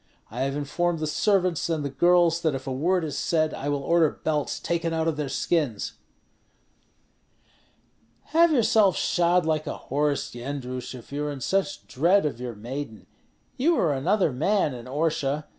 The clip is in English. I have informed the servants and the girls that if a word is said, I will order belts taken out of their skins." "Have yourself shod like a horse, Yendrus, if you are in such dread of your maiden. You were another man in Orsha.